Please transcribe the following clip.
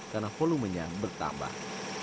karena volumenya bertambah